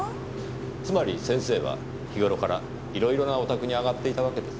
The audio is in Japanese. つまり先生は日頃からいろいろなお宅に上がっていたわけですね？